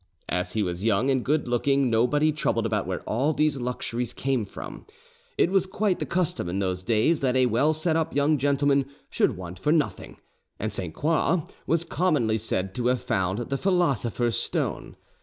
As he was young and good looking, nobody troubled about where all these luxuries came from. It was quite the custom in those days that a well set up young gentleman should want for nothing, and Sainte Croix was commonly said to have found the philosopher's stone.